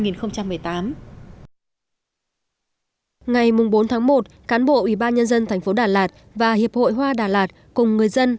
ngày bốn tháng một cán bộ ủy ban nhân dân thành phố đà lạt và hiệp hội hoa đà lạt cùng người dân